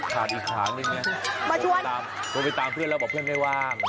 ขาดอีกขาดนึงเนี่ยมาชวนโทรไปตามเพื่อนแล้วบอกเพื่อนไม่ว่าง